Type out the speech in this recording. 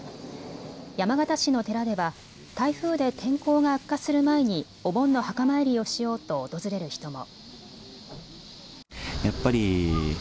山形市の寺では台風で天候が悪化する前にお盆の墓参りをしようと訪れる人も。